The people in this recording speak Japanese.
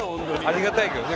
ありがたいけどね。